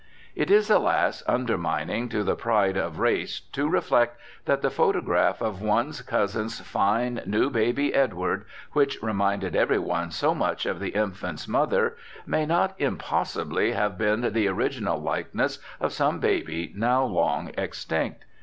It is, alas! undermining to the pride of race to reflect that that photograph of one's cousin's fine new baby Edward, which reminded every one so much of the infant's mother, may not impossibly have been the original likeness of some baby now long extinct.